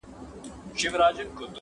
په کټ کټ به په خندا سي-